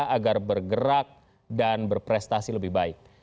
agar bergerak dan berprestasi lebih baik